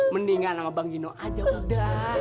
mendinganlah bang gino aja udah